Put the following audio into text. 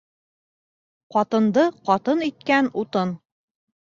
Ҡатынды ҡатын иткән утын.